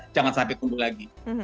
jangan sampai tumbuh lagi